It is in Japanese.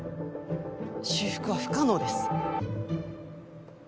修復は不可能です。